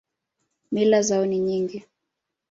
Mila zao ni nyingi.